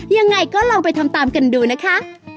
ยังไงก็ลองไปทำตามกันดูนะคะ